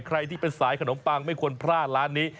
ใครที่เป็นสายขนมปังไม่ควรพลาดร้านนี้